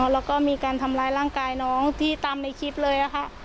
แล้วก็มีการทำร้ายร่างกายน้องที่ตามในคลิปเลยค่ะ